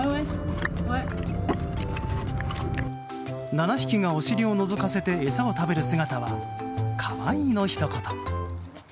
７匹がお尻をのぞかせて餌を食べる姿は可愛いの、ひと言。